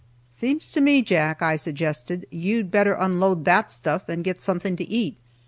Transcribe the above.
"Seems to me, Jack," I suggested, "you'd better unload that stuff, and get something to eat.